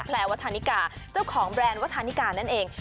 แลวัฒนิกาเจ้าของแบรนด์วัฒนิกานั่นเอง